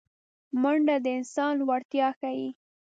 منډه د انسان لوړتیا ښيي